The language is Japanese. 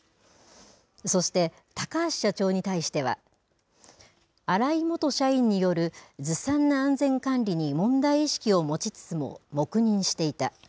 そして、高橋社長に対しては荒井元社員によるずさんな安全管理に問題意識を持ちつつも黙認していた。